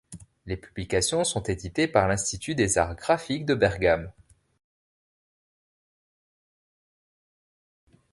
Les publications sont édités par l'institut des arts graphiques de Bergame.